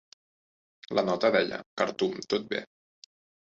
La nota deia "Khartoum tot bé".